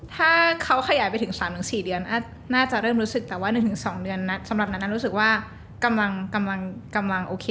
ถ้าเขาขยายไปถึง๓๔เดือนน่าจะเริ่มรู้สึกแต่ว่า๑๒เดือนนะสำหรับนั้นรู้สึกว่ากำลังโอเค